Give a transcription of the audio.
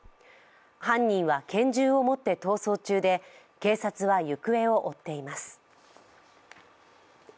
犯人は拳銃を持って逃走中で、警察は行方を追っています。